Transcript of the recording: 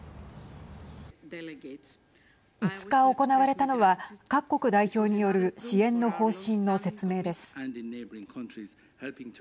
５日行われたのは各国代表による支援の方針の説明です。